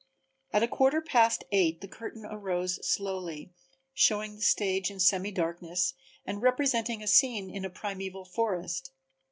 At a quarter past eight the curtain arose slowly, showing the stage in semi darkness and representing a scene in a primeval forest.